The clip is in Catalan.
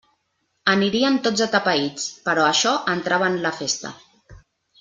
Anirien tots atapeïts, però això entrava en la festa.